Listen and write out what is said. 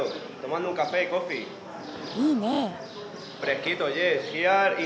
いいね。